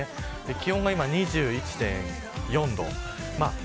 気温が今２１．４度。